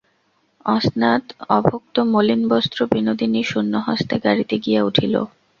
অস্নাত অভুক্ত মলিনবস্ত্র বিনোদিনী শূন্য হস্তে গাড়িতে গিয়া উঠিল।